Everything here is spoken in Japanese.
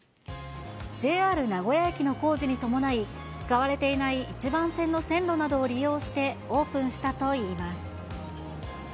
ＪＲ名古屋駅の工事に伴い、使われていない１番線の線路などを利用してオープンしたといいます。